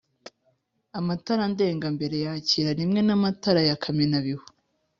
Amatara ndangambere yakira rimwe n’amatara ya kamenabihu